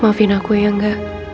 maafin aku ya engga